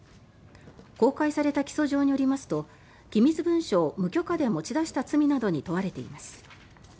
公開された起訴状によりますと機密文書を無許可で持ち出した罪などに問われています。